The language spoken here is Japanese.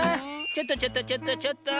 ちょっとちょっとちょっとちょっと。